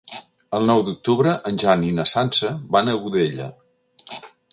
El nou d'octubre en Jan i na Sança van a Godella.